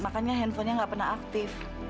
makanya handphonenya nggak pernah aktif